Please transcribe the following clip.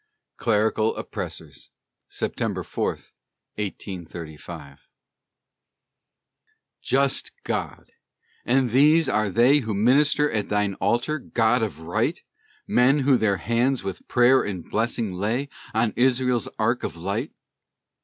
CLERICAL OPPRESSORS [September 4, 1835] Just God! and these are they Who minister at thine altar, God of Right! Men who their hands with prayer and blessing lay On Israel's Ark of light!